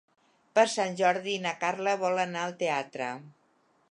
Per Sant Jordi na Carla vol anar al teatre.